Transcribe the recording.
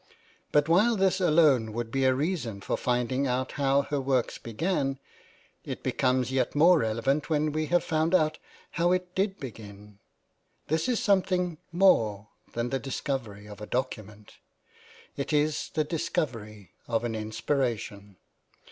But while this alone would be a reason for finding out how her work began, it becomes yet more relevant when we have found out how it did begin. This is something more than the discovery of a document; it is the discovery of an inspiration.